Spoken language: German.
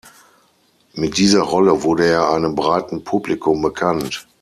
Mit dieser Rolle wurde er einem breiten Publikum bekannt.